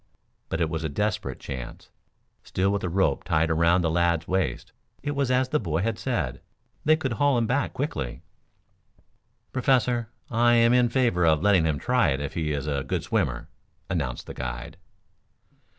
But it was a desperate chance. Still, with the rope tied around the lad's waist, it was as the boy had said, they could haul him back quickly. "Professor, I am in favor of letting him try it if he is a good swimmer," announced the guide.